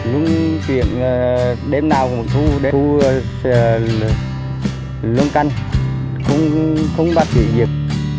lúc chuyện đêm nào cũng thu đêm thu lưng canh không bắt chịu nhiệt